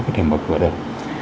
có thể mở cửa được